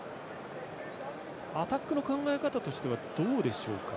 アタックの考え方としてはどうでしょうか。